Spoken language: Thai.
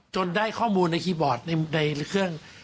ได้ข้อมูลในคีย์บอร์ดในเครื่อง